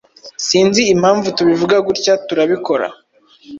Sinzi impamvu tubivuga gutya, turabikora.